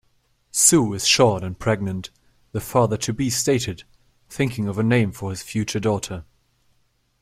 "Sue is short and pregnant", the father-to-be stated, thinking of a name for his future daughter.